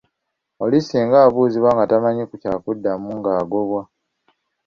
Oli singa abuuzibwa nga tamanyi kya kuddamu ng'agobwa.